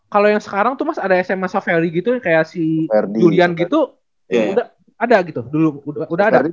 kalo yang sekarang itu mas ada sma soveldi gitu cuman kayak si julian gitu udah ada gitu